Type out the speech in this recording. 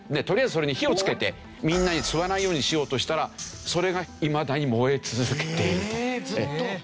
とりあえずそれに火をつけてみんなに吸わないようにしようとしたらそれがいまだに燃え続けていると。